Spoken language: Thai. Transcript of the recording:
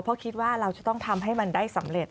เพราะคิดว่าเราจะต้องทำให้มันได้สำเร็จ